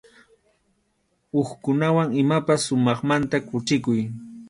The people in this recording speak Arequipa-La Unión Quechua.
Hukkunawan imapas sumaqmanta quchikuy.